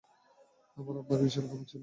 আমার আব্বার বিশাল খামার ছিল।